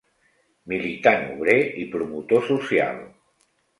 Militant obrer i promotor social.